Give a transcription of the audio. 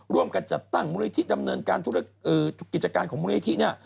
ร่วมกันจัดตั้งบุญธิดำเนินการธุรกิจการของบุญธิ